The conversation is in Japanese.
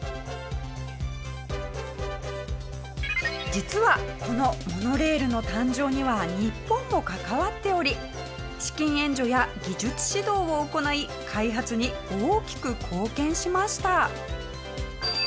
実はこのモノレールの誕生には日本も関わっており資金援助や技術指導を行い開発に大きく貢献しました。